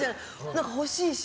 何か欲しいし。